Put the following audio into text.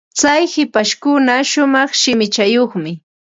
Tsay hipashpuka shumaq shimichayuqmi.